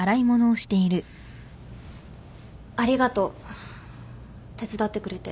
ありがとう手伝ってくれて。